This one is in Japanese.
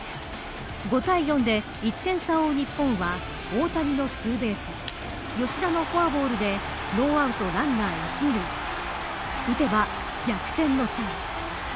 ５対４で１点差を追う日本は大谷のツーベース吉田のフォアボールでノーアウトランナー１、２塁打てば逆転のチャンス。